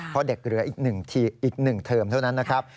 เพราะเด็กเหลืออีก๑ทีอีก๑เทอมเท่านั้นนะครับ